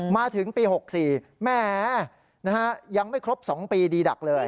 มาถึงปี๖๔แหมยังไม่ครบ๒ปีดีดักเลย